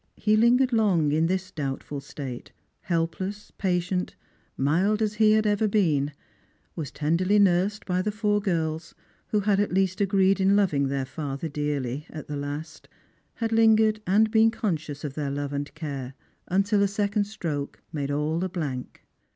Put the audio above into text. He lingered long in this doubtful state, helpless, patient, mild aa he had evei been ; was tenderly nursed by the four girls, who had at least agreed in loving tlieir father dearly at the last — had lingered and been conscious of their love and care, until a second stroke made all a blank.